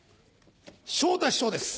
昇太師匠です。